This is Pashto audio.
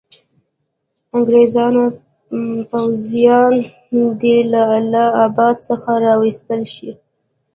انګریزي پوځیان دي له اله اباد څخه را وایستل شي.